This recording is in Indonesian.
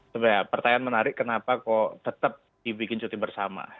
sebenarnya pertanyaan menarik kenapa kok tetap dibikin cuti bersama